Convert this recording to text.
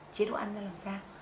chế độ ăn ra làm sao